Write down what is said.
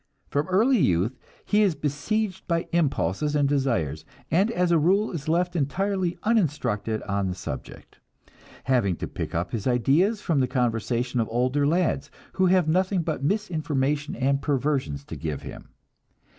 From early youth he is besieged by impulses and desires, and as a rule is left entirely uninstructed on the subject, having to pick up his ideas from the conversation of older lads, who have nothing but misinformation and perversions to give him.